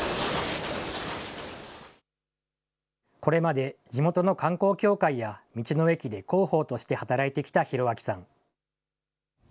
これまで地元の観光協会や道の駅で広報として働いてきた広彰さん。